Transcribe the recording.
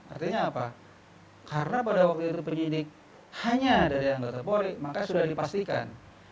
artinya apa karena pada waktu itu penyidik hanya dari anggota polri makanya sudah dipastikan